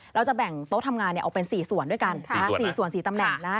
เราจะแบ่งโต๊ะทำงานออกเป็น๔ส่วนด้วยกัน๔ส่วน๔ตำแหน่งนะ